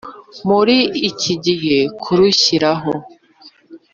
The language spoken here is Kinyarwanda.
Muri ikigihe kurushyiraho.